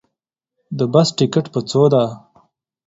د بس ټکټ په څو ده